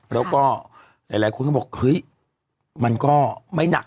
แล้วก็หลายคนก็บอกเฮ้ยมันก็ไม่หนัก